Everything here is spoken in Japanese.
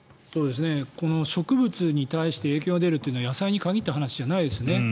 植物に対して影響が出るというのは野菜に限った話じゃないですね。